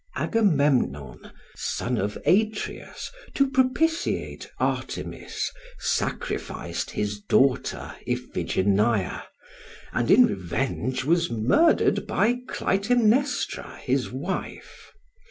Agamemnon, son of Atreus, to propitiate Artemis, sacrificed his daughter Iphigenia, and in revenge was murdered by Clytemnestra his wife.